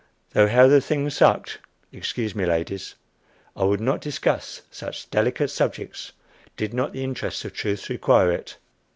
Though how the thing sucked Excuse me, ladies; I would not discuss such delicate subjects did not the interests of truth require it.